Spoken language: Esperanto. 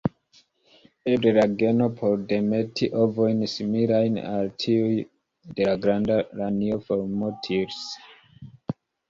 Eble la geno por demeti ovojn similajn al tiuj de la Granda lanio formortis.